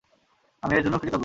আমি এর জন্য কৃতজ্ঞ।